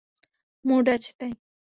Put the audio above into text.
মুডে আছি তাই!